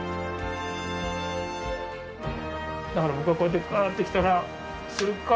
だから僕がこうやってワってきたらするか。